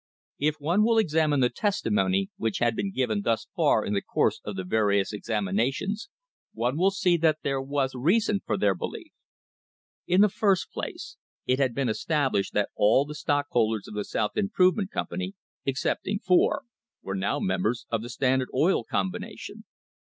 If one will examine the testimony which had been given thus far in the course of the various examinations one will see that there was reason for their belief. In the first place, it had been established that all the stockholders of the South Improvement Company, excepting four, were now members of the Standard Oil Combination.